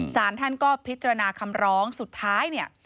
สารท่านก็พิจารณาคำร้องสุดท้ายเนี่ย